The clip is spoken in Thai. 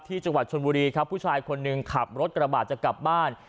จังหวัดชนบุรีครับผู้ชายคนหนึ่งขับรถกระบาดจะกลับบ้าน